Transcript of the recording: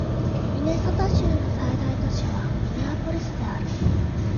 ミネソタ州の最大都市はミネアポリスである